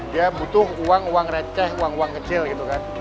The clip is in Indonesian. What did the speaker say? dia butuh uang uang receh uang uang kecil gitu kan